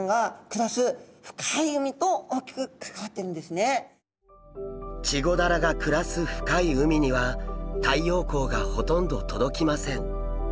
それはチゴダラが暮らす深い海には太陽光がほとんど届きません。